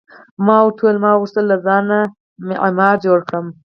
ما ورته وویل: ما غوښتل له ځانه معمار جوړ کړم.